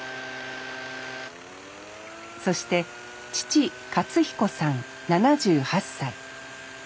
そして父勝彦さん７８歳。